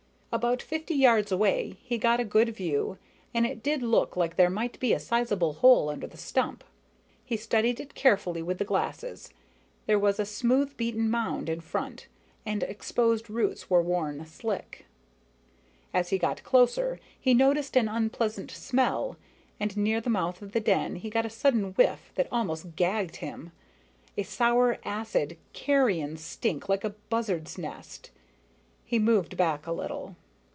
About fifty yards away, he got a good view, and it did look like there might be a sizable hole under the stump. He studied it carefully with the glasses. There was a smooth beaten mound in front, and exposed roots were worn slick. As he got closer, he noticed an unpleasant smell, and near the mouth of the den he got a sudden whiff that almost gagged him a sour, acid, carrion stink like a buzzard's nest. He moved back a little.